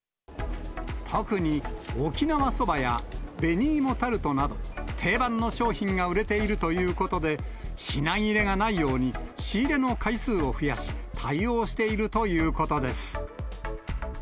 特に沖縄そばや紅芋タルトなど、定番の商品が売れているということで、品切れがないように、仕入れの回数を増やし、対応しているということです。